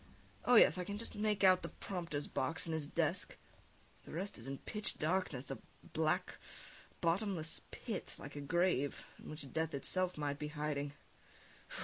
Oh, yes, I can just make out the prompter's box, and his desk; the rest is in pitch darkness, a black, bottomless pit, like a grave, in which death itself might be hiding....